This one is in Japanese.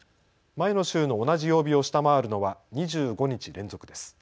前の週の同じ曜日を下回るのは２５日連続です。